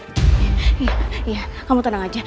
iya kamu tenang aja